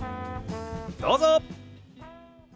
どうぞ。